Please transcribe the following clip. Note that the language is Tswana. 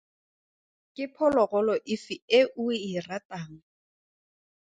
Ke phologolo efe e o e ratang?